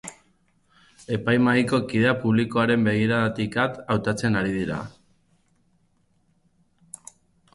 Epaimahaiko kideak publikoaren begiradatik at hautatzen ari dira.